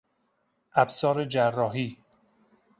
ابزار جراحی